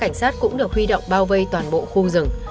cảnh sát cũng được huy động bao vây toàn bộ khu rừng